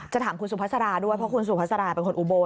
ถามคุณสุภาษาด้วยเพราะคุณสุภาษาราเป็นคนอุโบ